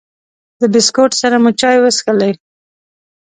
د بسکوټ سره مو چای وڅښلې.